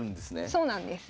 そうなんです。